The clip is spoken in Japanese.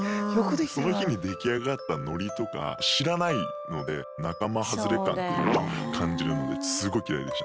その日に出来上がったノリとか知らないので仲間外れ感というのを感じるのですごい嫌いでしたね。